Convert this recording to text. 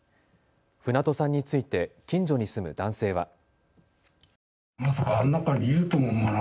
船戸さんについて近所に住む男性は。